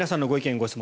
・ご質問